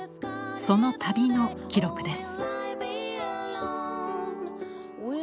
その旅の記録です。